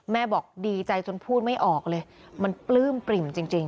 แม่บอกดีใจจนพูดไม่ออกเลยมันปลื้มปริ่มจริง